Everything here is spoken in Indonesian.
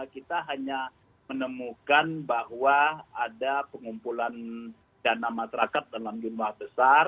kita hanya menemukan bahwa ada pengumpulan dana masyarakat dalam jumlah besar